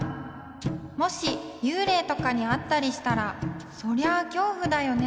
もしゆうれいとかにあったりしたらそりゃ恐怖だよね。